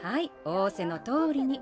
おおせのとおりに。